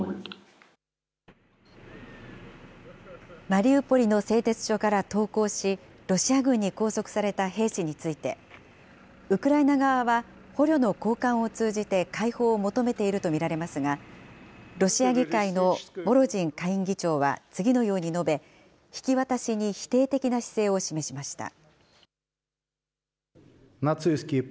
マリウポリの製鉄所から投降し、ロシア軍に拘束された兵士について、ウクライナ側は捕虜の交換を通じて、解放を求めていると見られますが、ロシア議会のボロジン下院議長は次のように述べ、引き渡しに否定的な姿勢を示しました。